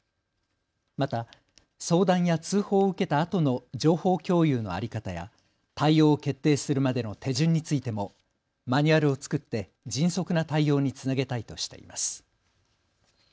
また相談や通報を受けたあとの情報共有の在り方や対応を決定するまでの手順についてもマニュアルを作って迅速な対応につなげたいとしています。